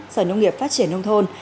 sở nông nghiệp phát triển nông thôn